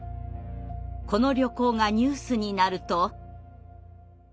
この旅行がニュースになると。